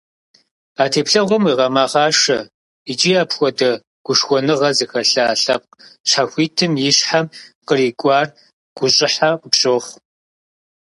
А теплъэгъуэм уегъэмэхъашэ икӀи апхуэдэ гушхуэныгъэ зыхэлъа лъэпкъ щхьэхуитым и щхьэм кърикӀуар гущӀыхьэ къыпщохъу.